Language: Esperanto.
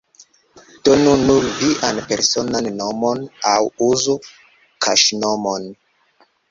Donu nur vian personan nomon, aŭ uzu kaŝnomon.